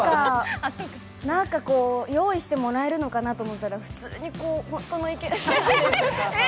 何か用意してもらえるのかと思ったら普通に本当の池で。